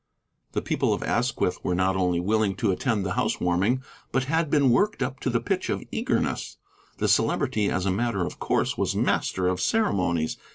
The people of Asquith were not only willing to attend the house warming, but had been worked up to the pitch of eagerness. The Celebrity as a matter of course was master of ceremonies.